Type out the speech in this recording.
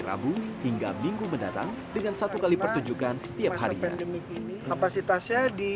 rabu hingga minggu mendatang dengan satu kali pertunjukan setiap hari kapasitasnya di